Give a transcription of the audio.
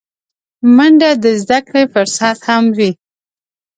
منډه د زدهکړې فرصت هم وي